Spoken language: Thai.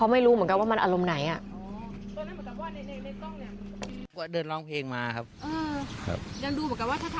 พี่เธอตอนนี้เหมือนกันว่ามันอารมณ์ไหนอ่ะเฎิงออกเสียงไบเทป